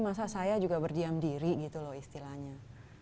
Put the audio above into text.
masa saya juga berdiam diri gitu loh istilahnya